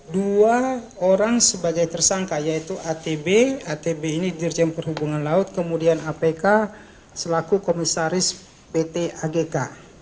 dua orang sebagai tersangka yaitu atb atb ini dirjen perhubungan laut kemudian apk selaku komisaris pt agk